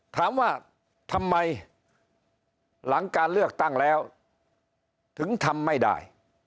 ถามว่าทำไมหลังการเลือกตั้งแล้วถึงทำไม่ได้